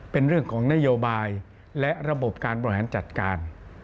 เป็นเรื่องของนโยบายและระบบการบริหารจัดการ